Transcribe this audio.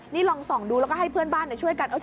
นี่ลองส่องดูแล้วก็ให้เพื่อนบ้านช่วยกัน